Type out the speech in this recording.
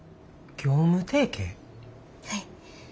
はい。